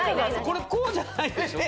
これこうじゃないでしょ？